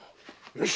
よし。